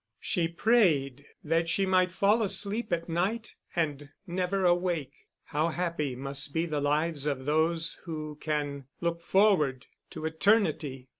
She prayed that she might fall asleep at night and never awake. How happy must be the lives of those who can look forward to eternity!